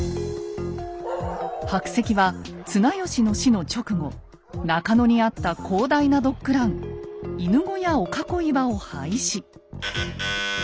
白石は綱吉の死の直後中野にあった広大なドッグラン犬小屋御囲場を廃止。